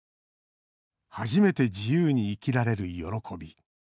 初めて自由に生きられる喜び。